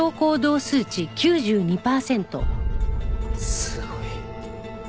すごい。